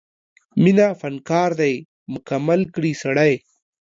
مینه فنکار دی مکمل کړي سړی